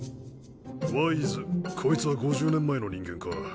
ワイズこいつは５０年前の人間か。